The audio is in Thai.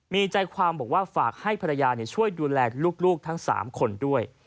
มีใจความบอกว่าฝากให้ภรรยาช่วยดูแลลูกทั้ง๓คนด้วย